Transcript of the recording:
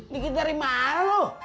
dikit dari mana lo